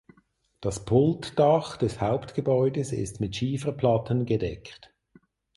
Das Pultdach des Hauptgebäudes ist mit Schieferplatten gedeckt.